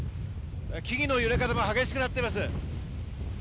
木々の揺れ方が激しくなっています。